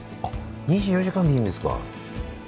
２４時間でいいんですか。